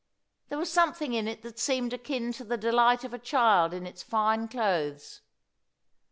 There was something in it that seemed akin to the delight of a child in its fine clothes.